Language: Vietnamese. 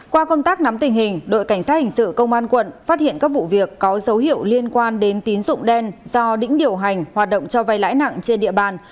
qua công tác nắm tình hình đội cảnh sát hình sự công an quận phát hiện các vụ việc có dấu hiệu liên quan đến tín dụng đen do đĩnh điều hành hoạt động cho vay lãi nặng trên địa bàn